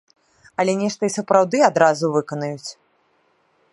Але нешта і сапраўды адразу выканаюць.